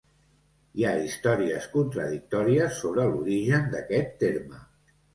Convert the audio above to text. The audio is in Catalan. Hi ha històries contradictòries sobre l'origen d'aquest terme.